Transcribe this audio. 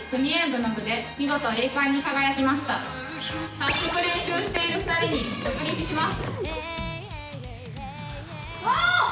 早速、練習している２人に突撃します。